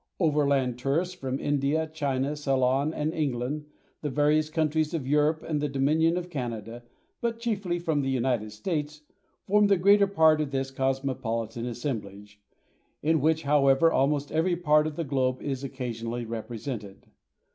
Overland tourists from India, China, Ceylon, and England, the various countries of Europe and the Dominion of Canada, but chiefly from the United States, form the greater part of this cosmopolitan assemblage, in which, however, almost every part of the globe is occasionally represented.